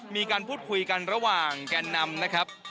มีการพูดคุยกันระหว่างแกนนำนะครับ